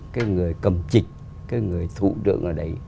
cái người cầm trịch cái người thủ trưởng ở đấy